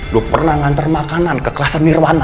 lo pernah nganter makanan ke kelasan nirwana